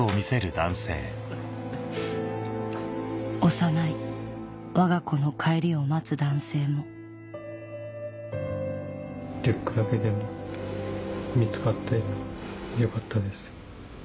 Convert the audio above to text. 幼いわが子の帰りを待つ男性もリュックだけでも見つかってよかったです。